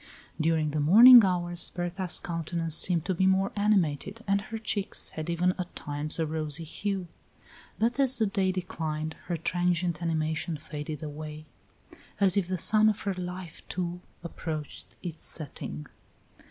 During the morning hours Berta's countenance seemed to be more animated, and her cheeks had even at times a rosy hue; but as the day declined her transient animation faded away, as if the sun of her life too approached its setting.